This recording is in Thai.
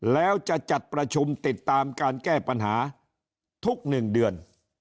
แล้วจะจัดประชุมติดตามการแก้ปัญหาทุก๑เดือน